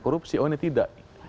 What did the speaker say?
korupsi oh ini tidak